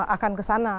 akan ke sana